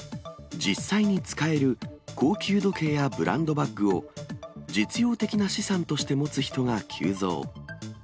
実際に使える高級時計やブランドバッグを、実用的な資産として持つ人が急増。